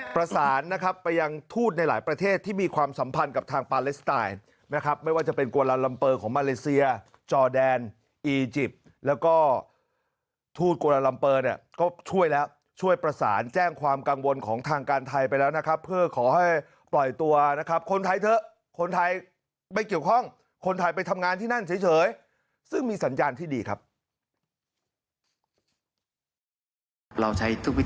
ประสานนะครับไปยังทูตในหลายประเทศที่มีความสัมพันธ์กับทางปาเลสไตล์นะครับไม่ว่าจะเป็นกวาลาลัมเปอร์ของมาเลเซียจอแดนอีจิปต์แล้วก็ทูตกวาลาลัมเปอร์เนี่ยก็ช่วยแล้วช่วยประสานแจ้งความกังวลของทางการไทยไปแล้วนะครับเพื่อขอให้ปล่อยตัวนะครับคนไทยเถอะคนไทยไม่เกี่ยวข้องคนไทยไปทำงานที่นั่นเฉยซึ่งมีสัญญาณที่ดีครับ